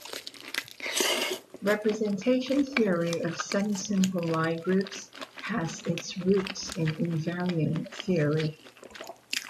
Representation theory of semisimple Lie groups has its roots in invariant theory.